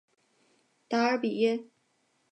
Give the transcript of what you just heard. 达尔比耶。